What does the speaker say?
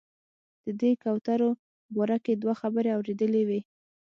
د دې کوترو باره کې دوه خبرې اورېدلې وې.